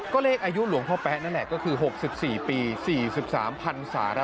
ก็เลขอายุหลวงพ่อแป๊ะนั่นแหละก็คือ๖๔ปี๔๓พันศา